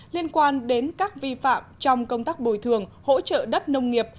liên quan đến các vi phạm trong công tác bồi thường hỗ trợ đất nông nghiệp